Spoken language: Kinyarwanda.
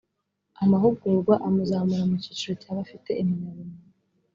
amahugurwa amuzamura mu cyiciro cyaba bafite impamyabumenyi